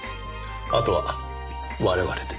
あとは我々で。